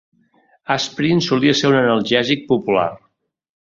Asprin solia ser un analgèsic popular